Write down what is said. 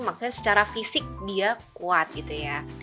maksudnya secara fisik dia kuat gitu ya